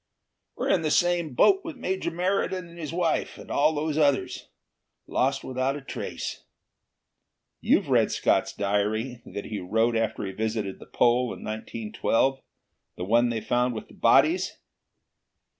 "We're in the same boat with Major Meriden and his wife and all those others. Lost without a trace." "You've read Scott's diary that he wrote after he visited the pole in 1912 the one they found with the bodies?"